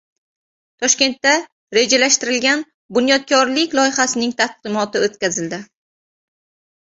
Toshkentda rejalashtirilgan bunyodkorlik loyihalari taqdimoti o‘tkazildi